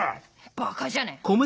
バカじゃねえ？